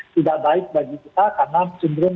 tidak baik bagi kita karena cenderung